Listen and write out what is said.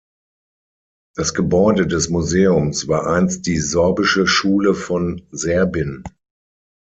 Das Gebäude des Museums war einst die sorbische Schule von Serbin.